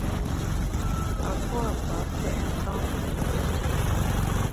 A pua’ pa pèt nkammbùm.